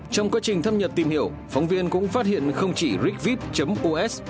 trong quá trình thăm nhật tìm hiểu phóng viên cũng phát hiện không chỉ rigvip os